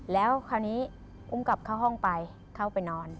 แล้วคราวนี้อุ้มกลับเข้าห้องไปเข้าไปนอน